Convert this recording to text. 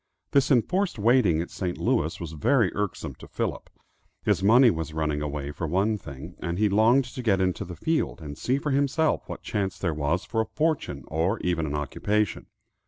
This enforced waiting at St. Louis was very irksome to Philip. His money was running away, for one thing, and he longed to get into the field, and see for himself what chance there was for a fortune or even an occupation.